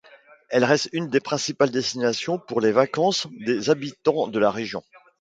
Elle reste une des principales destinations pour les vacances des habitants de la région.